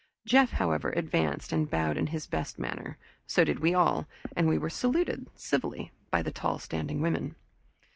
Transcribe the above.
Jeff, however, advanced and bowed in his best manner; so did we all, and we were saluted civilly by the tall standing women.